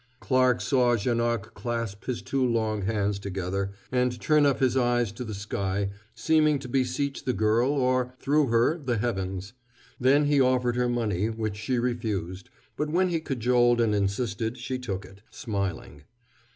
Clarke saw Janoc clasp his two long hands together, and turn up his eyes to the sky, seeming to beseech the girl or, through her, the heavens. Then he offered her money, which she refused; but, when he cajoled and insisted, she took it, smiling.